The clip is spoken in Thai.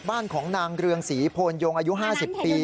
บ้านของนางเรืองศรีโพนยงอายุ๕๐ปี